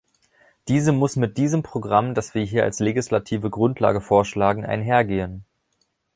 Diese muss mit diesem Programm, das wir hier als legislative Grundlage vorschlagen, einhergehen.